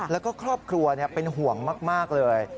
แล้วก็ครอบครัวเป็นห่วงมากเลย